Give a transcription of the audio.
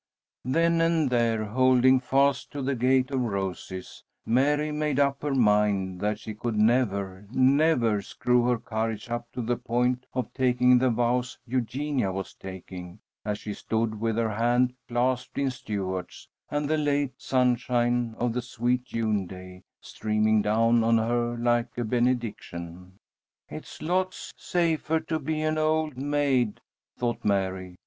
Then and there, holding fast to the gate of roses, Mary made up her mind that she could never, never screw her courage up to the point of taking the vows Eugenia was taking, as she stood with her hand clasped in Stuart's, and the late sunshine of the sweet June day streaming down on her like a benediction. "It's lots safer to be an old maid," thought Mary.